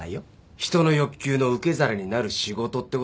人の欲求の受け皿になる仕事ってことだ